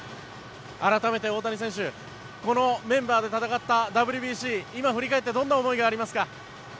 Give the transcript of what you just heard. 改めて大谷選手このメンバーで戦ったＷＢＣ今振り返ってどんな思いがありますか？